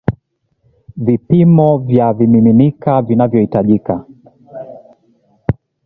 vipimo vya vimiminika vinavyohitajika